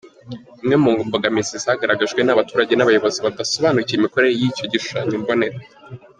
Imwe mu mbogamizi zagaragajwe ni abaturage n’abayobozi badasobanukiwe imikorere y’icyo gihushanyo mbonera.